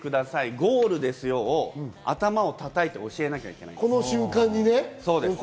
ゴールですよを頭を叩いて教えなきゃいけない。